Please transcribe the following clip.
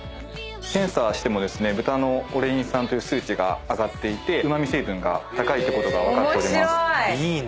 検査しても豚のオレイン酸という数値が上がっていてうま味成分が高いってことが分かっております。